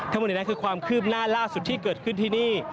ถ้าคุณเห็นแล้วคือความคืบหน้าล่าสุดที่เกิดขึ้นที่นี่